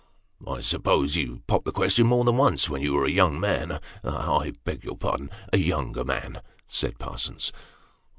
" I suppose you popped the question, more than once, when you were a young I beg your pardon a younger man," said Parsons.